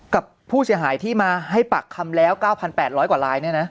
กับผู้เสียหายที่มาให้ปากคำแล้ว๙๘๐๐กว่าลาย